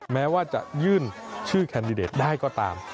แม้ว่าจะยื่นชื่อแคนดิเดตได้ก็ตาม